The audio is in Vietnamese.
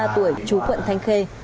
năm mươi ba tuổi chú quận thanh khê